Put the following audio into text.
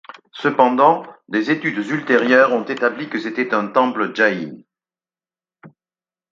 Cependant, des études ultérieures ont établi que c'était un temple jaïn.